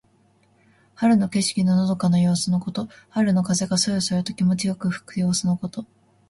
春の景色ののどかな様子のこと。春の風がそよそよと気持ちよく吹く様子のこと。